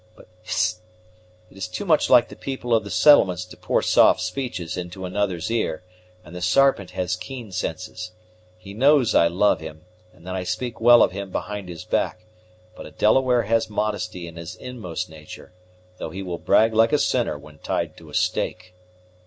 But hist! It is too much like the people of the settlements to pour soft speeches into another's ear; and the Sarpent has keen senses. He knows I love him, and that I speak well of him behind his back; but a Delaware has modesty in his inmost natur', though he will brag like a sinner when tied to a stake."